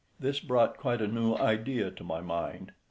This brought quite a new idea to my mind.